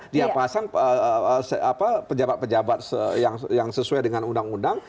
dia pasang pejabat pejabat yang sesuai dengan undang undang